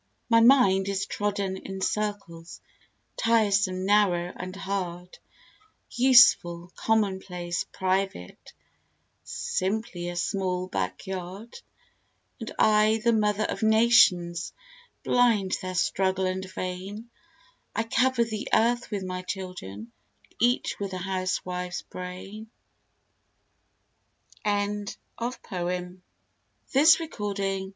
My mind is trodden in circles, tiresome, narrow and hard, Useful, commonplace, private simply a small backyard; And I the Mother of Nations! Blind their struggle and vain! I cover the earth with my children each with a housewife's brain. WEDDED BLISS * "O come and be my mate!"